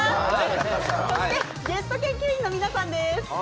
そしてゲスト研究員の皆さんです。